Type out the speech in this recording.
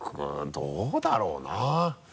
どうだろうな。